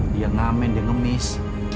dia ngamen dia ngemis